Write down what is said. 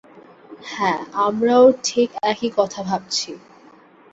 হ্যাঁ, আমরাও ঠিক একই কথা ভাবছি!